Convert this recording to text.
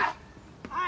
はい！